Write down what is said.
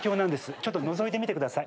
ちょっとのぞいてみてください。